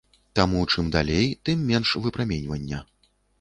Таму чым далей, тым менш выпраменьвання.